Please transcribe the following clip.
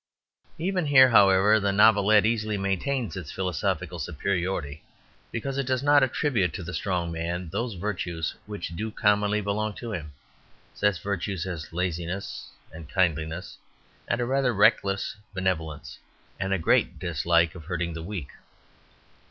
Even here, however, the Novelette easily maintains its philosophical superiority, because it does attribute to the strong man those virtues which do commonly belong to him, such virtues as laziness and kindliness and a rather reckless benevolence, and a great dislike of hurting the weak.